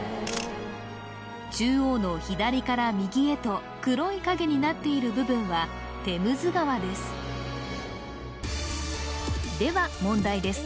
中央の左から右へと黒い影になっている部分はテムズ川ですでは問題です